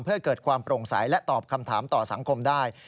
เพื่อเกิดความโปร่งใสและตอบคำถามต่อสังคมได้